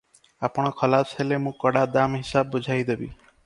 ଆପଣ ଖଲାସ ହେଲେ ମୁଁ କଡ଼ା ଦାମ ହିସାବ ବୁଝାଇଦେବି ।"